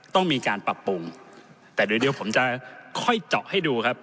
ต้องมีการปรับปรุงแต่เดี๋ยวผมจะค่อยเจาะให้ดูครับ